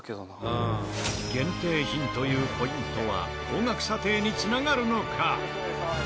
限定品というポイントは高額査定につながるのか？